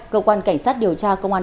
cơ quan cảnh sát điều tra công an